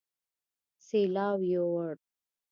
سېلاو يوړ